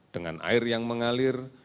dengan air yang mengalir